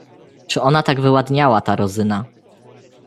"Czy ona tak wyładniała ta Rozyna?"